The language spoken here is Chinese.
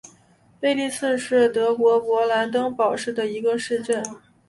贝利茨是德国勃兰登堡州的一个市镇。